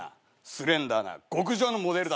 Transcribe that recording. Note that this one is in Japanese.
スレンダーな極上なモデルだぞ。